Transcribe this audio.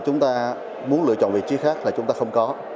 chúng ta muốn lựa chọn vị trí khác là chúng ta không có